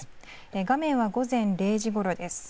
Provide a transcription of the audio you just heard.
画面は午前０時ごろです。